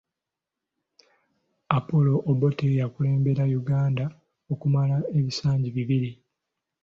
Apollo Obote yakulembera Uganda okumala ebisanja bibiri.